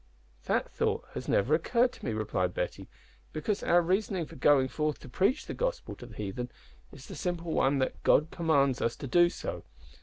"That thought has never occurred to me," replied Betty, "because our reason for going forth to preach the Gospel to the heathen is the simple one that God commands us to do so.